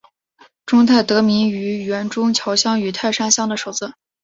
中泰得名于原中桥乡与泰山乡的首字。